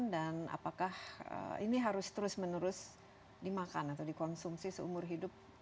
dan apakah ini harus terus menerus dimakan atau dikonsumsi seumur hidup